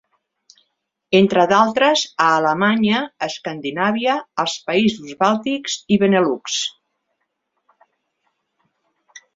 Entre d'altres, a Alemanya, Escandinàvia, els països bàltics i Benelux.